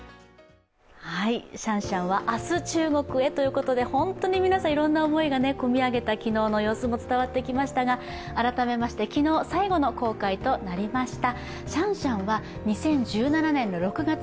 シャンシャンは明日中国へということで、本当に皆さん、いろんな思いが込み上げた昨日の様子が伝わってきましたが、改めまして、昨日、最後の公開となりました。